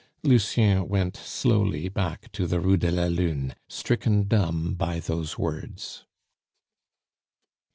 Lucien went slowly back to the Rue de la Lune, stricken dumb by those words.